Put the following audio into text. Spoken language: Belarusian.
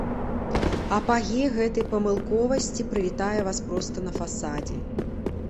Апагей гэтай памылковасці прывітае вас проста на фасадзе.